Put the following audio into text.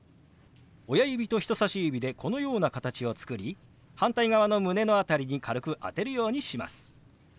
親指と人さし指でこのような形を作り反対側の胸の辺りに軽く当てるようにします。